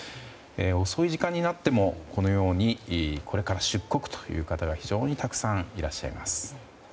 遅い時間になっても、このようにこれから出国という方が非常にたくさんいらっしゃいます。